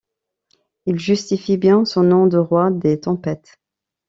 Il justifiait bien son nom de roi des tempêtes!